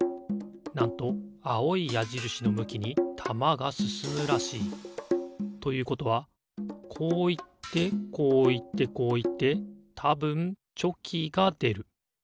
なんとあおいやじるしの向きにたまがすすむらしい。ということはこういってこういってこういってたぶんチョキがでる。